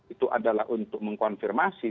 itu adalah untuk mengkonfirmasi